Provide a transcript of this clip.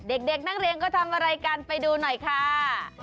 เด็กนักเรียนก็ทำอะไรกันไปดูหน่อยค่ะ